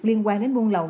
liên quan đến buôn lậu